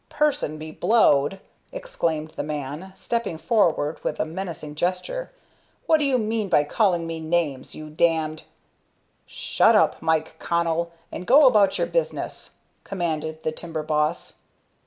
"Person be blowed!" exclaimed the man, stepping forward with a menacing gesture. "What do you mean by calling me names, you damned " "Shut up, Mike Connell, and go about your business," commanded the timber boss.